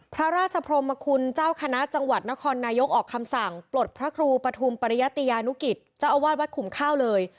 พระราชพรมคุณเจ้าคณะจังหวัดนครนายกออกคำสั่งปลดพระครูปฐุมปริยติยานุกิจเจ้าอาวาสวัดขุมข้าวเลย